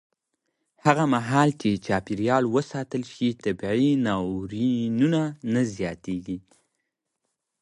هغه مهال چې چاپېریال وساتل شي، طبیعي ناورینونه نه زیاتېږي.